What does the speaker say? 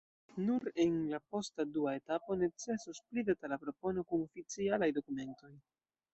Nur en la posta dua etapo necesos pli detala propono kun oficialaj dokumentoj.